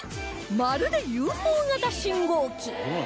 まるで ＵＦＯ 型信号機